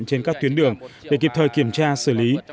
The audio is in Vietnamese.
trên các tuyến đường để kịp thời kiểm tra xử lý